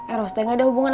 eros teh gak ada hubungan